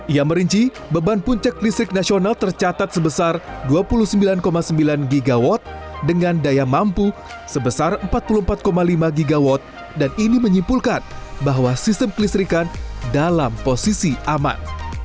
ia merinci beban puncak listrik nasional tercatat sebesar dua puluh sembilan sembilan gw dengan daya mampu sebesar empat puluh empat lima gw dan ini menyimpulkan bahwa sistem kelistrikan dalam posisi aman